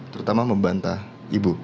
terutama membantah ibu